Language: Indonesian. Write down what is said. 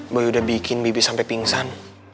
boy udah bikin bibi sampai pingsan